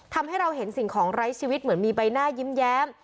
ทำให้เราเห็นสิ่งของไร้ชีวิตเหมือนมีใบหน้ายิ้มแย้ม